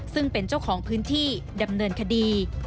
ซึ่งเป็นเจ้าของพื้นที่ดำเนินคดี